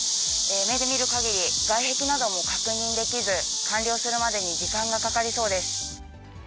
目で見るかぎり、外壁なども確認できず、完了するまでに時間がかかりそうです。